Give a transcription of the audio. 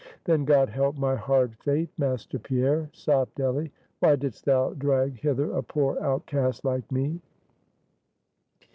"Then God help my hard fate, Master Pierre," sobbed Delly. "Why didst thou drag hither a poor outcast like me?"